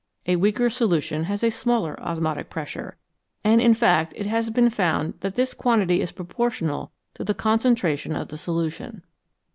A weaker solution has a smaller osmotic pressure ; and, in fact, it has been found that this quantity is proportional to the concentration of the solution.